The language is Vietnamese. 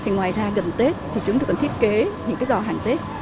ngoài ra gần tết thì chúng tôi còn thiết kế những giò hàng